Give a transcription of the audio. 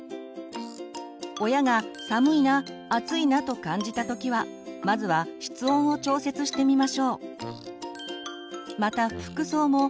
親が「寒いな」「暑いな」と感じた時はまずは室温を調節してみましょう。